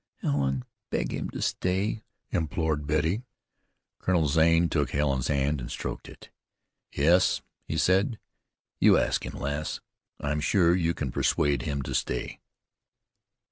"Helen, beg him to stay!" implored Betty. Colonel Zane took Helen's hand, and stroked it. "Yes," he said, "you ask him, lass. I'm sure you can persuade him to stay."